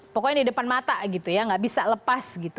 pokoknya di depan mata gitu ya nggak bisa lepas gitu